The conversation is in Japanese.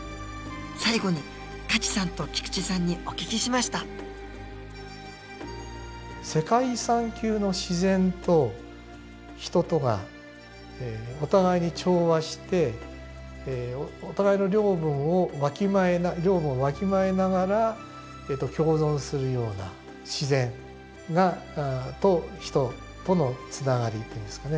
最後に可知さんと菊池さんにお聞きしました世界遺産級の自然と人とがお互いに調和してお互いの領分をわきまえながら共存するような自然と人とのつながりっていうんですかね